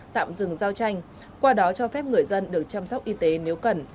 tạm dừng giao tranh qua đó cho phép người dân được chăm sóc y tế nếu cần